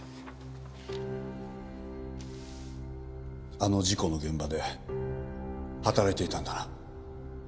あの事故の現場で働いていたんだな。